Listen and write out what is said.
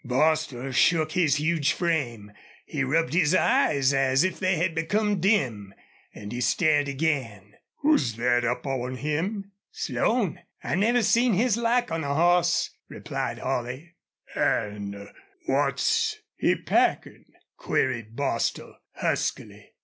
Bostil shook his huge frame, and he rubbed his eyes as if they had become dim, and he stared again. "Who's thet up on him?" "Slone. I never seen his like on a hoss," replied Holley. "An' what's he packin'?" queried Bostil, huskily.